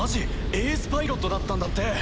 エースパイロットだったんだって。